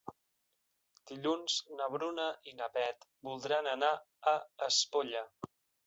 Dilluns na Bruna i na Beth volen anar a Espolla.